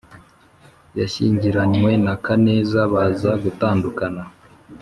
yashyingiranywe na kaneza baza gutandukana